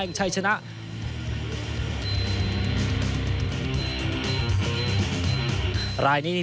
เพื่อ๑๕๐๐๐๐เห็นชนะกัน๑๐๐๐ตาจากศึกยกได้